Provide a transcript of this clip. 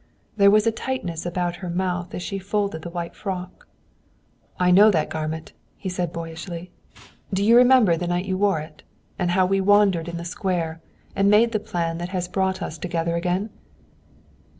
There was a tightness about her mouth as she folded the white frock. "I know that garment," he said boyishly. "Do you remember the night you wore it? And how we wandered in the square and made the plan that has brought us together again?"